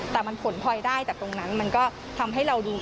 แต่มันผลพลอยได้จากตรงนั้นมันก็ทำให้เราดี